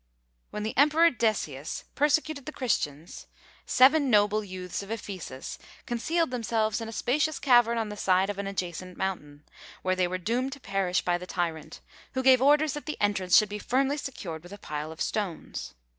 When the Emperor Decius persecuted the Christians, seven noble youths of Ephesus concealed themselves in a spacious cavern on the side of an adjacent mountain; where they were doomed to perish by the tyrant, who gave orders that the entrance should be firmly secured with a pile of stones.